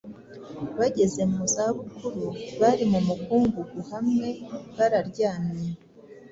bageze mu za bukuru bari mu mukungugu hamwe bararyamye,